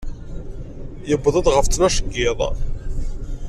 Yuweḍ-d ɣef ttnac n yiḍ.